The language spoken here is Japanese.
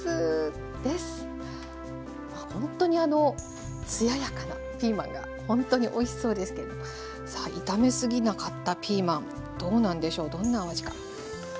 ほんとにあの艶やかなピーマンがほんとにおいしそうですけれどもさあ炒め過ぎなかったピーマンどうなんでしょうどんなお味か。